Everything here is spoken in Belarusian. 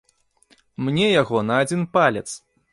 Мне яго на адзін палец!